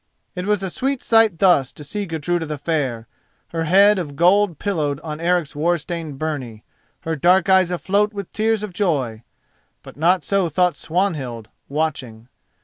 It was a sweet sight thus to see Gudruda the Fair, her head of gold pillowed on Eric's war stained byrnie, her dark eyes afloat with tears of joy; but not so thought Swanhild, watching.